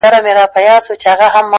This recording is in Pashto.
سیاه پوسي ده; خاوري مي ژوند سه;